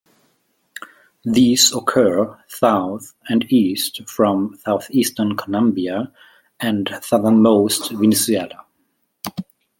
These occur south and east from southeastern Colombia and southernmost Venezuela.